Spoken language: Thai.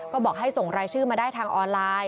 ก็บอกให้ส่งรายชื่อมาได้ทางออนไลน์